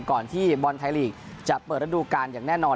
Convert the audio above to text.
ก่อนที่บอลไทยลีกจะเปิดระดูการอย่างแน่นอน